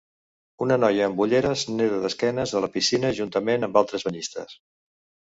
Una noia amb ulleres neda d'esquenes a la piscina juntament amb altres banyistes.